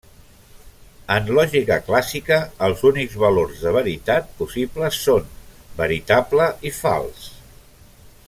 En lògica clàssica, els únics valors de veritat possibles són veritable i fals.